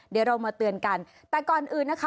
เดี๋ยวเรามาเตือนกันแต่ก่อนอื่นนะคะ